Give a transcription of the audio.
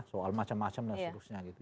soal macam macam dan seterusnya gitu